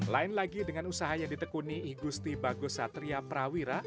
lain lagi dengan usaha yang ditekuni igusti bagus satria prawira